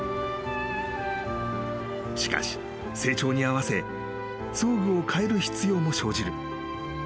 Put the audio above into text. ［しかし成長に合わせ装具を替える必要も生じる］